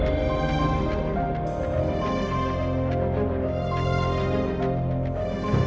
aku mau ke rumah